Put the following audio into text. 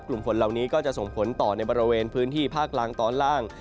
กลุ่มฝนเหล่านี้ก็จะส่งผลต่อในบริเวณพื้นที่ภาคล่างตอนล่าง